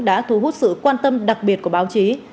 đã thu hút sự quan tâm đặc biệt của báo chí